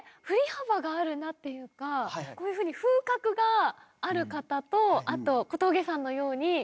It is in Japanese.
振り幅があるなっていうかこういうふうに風格がある方とあと小峠さんのように。